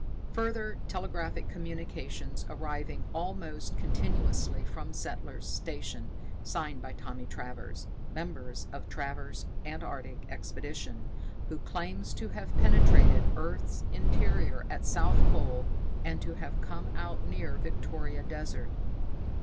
Further telegraphic communications arriving almost continuously from Settler's Station, signed by Thomas Travers, member of Travers Antarctic Expedition, who claims to have penetrated earth's interior at south pole and to have come out near Victoria Desert.